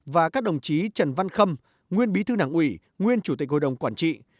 và các đồng chí trần văn khâm nguyên bí thư đảng ủy nguyên chủ tịch hội đồng quản trị